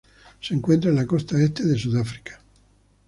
Se encuentra en la costa este de Sudáfrica.